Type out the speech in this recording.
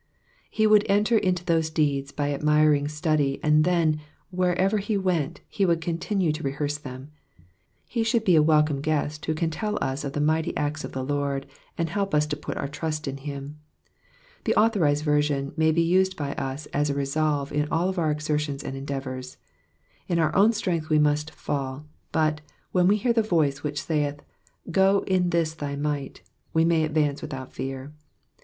'* He ^ould enter into those deeds by admiring study, and then, wherever he went, he would continue to rehearse them. Ho should ever be a welcome guest who can tell us of the mighty nets of the Lord, and help us to put our trust in him. The authorised version may Digitized by VjOOQIC PSALM THE SEVENTY FIRST. 299 be used by as as a resolve in all our exertions and endeavours. In our own strength we muat fail ; but, when we hear the voice which saith, *^ Qo in this thy might," we may advance without fear.